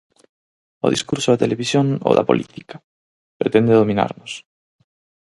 "O discurso da televisión, ou da política", pretende dominarnos.